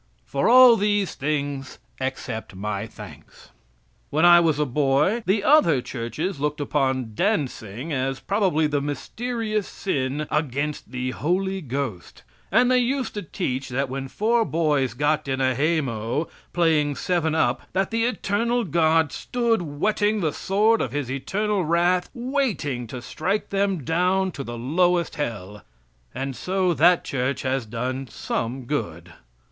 For all these things accept my thanks. When I was a boy, the other Churches looked upon dancing as probably the mysterious sin against the Holy Ghost; and they used to teach that when four boys got in a hay mow, playing seven up, that the Eternal God stood whetting the sword of His eternal wrath waiting to strike them down to the lowest hell. And so that Church has done some good.